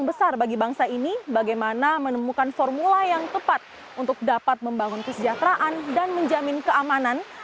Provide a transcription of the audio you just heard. dan bagaimana menemukan peraturan yang tepat untuk membangun kesejahteraan dan menjamin keamanan